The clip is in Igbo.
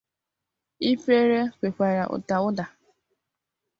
Ikwerre nwekwara ụda ụda.